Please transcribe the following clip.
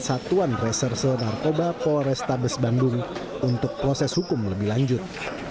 ketua rekan reserse narkoba polres tabes bandung untuk proses hukum lebih lanjut